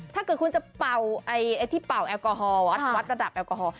ถ้าเกิดคุณจะเป่าที่เป่าแอลกอฮอลวัดระดับแอลกอฮอล